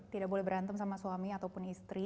tidak boleh berantem sama suami ataupun istri